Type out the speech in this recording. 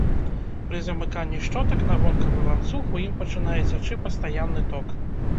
Пры замыканні шчотак на вонкавы ланцуг у ім пачынае цячы пастаянны ток.